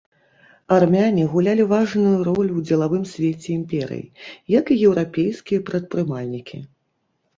Армяне гулялі важную ролю ў дзелавым свеце імперыі, як і еўрапейскія прадпрымальнікі.